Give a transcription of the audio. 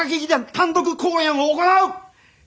単独公演を行う！